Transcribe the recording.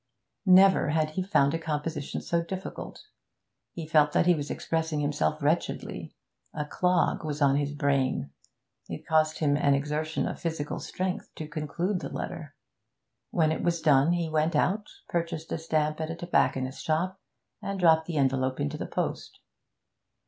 Never had he found composition so difficult. He felt that he was expressing himself wretchedly; a clog was on his brain. It cost him an exertion of physical strength to conclude the letter. When it was done, he went out, purchased a stamp at a tobacconist's shop, and dropped the envelope into the post.